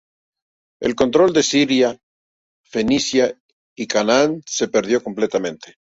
El control de Siria, Fenicia y Canaán se perdió completamente.